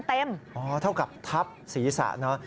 เท่ากับทับศีรษะเนอะ